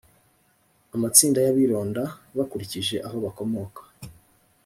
amatsinda y abironda bakurikije aho bakomoka